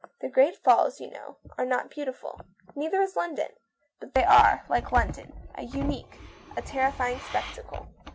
The great falls, you know, are not beautiful ; neither is London. But they are, like London, a unique, a terrifying spectacle.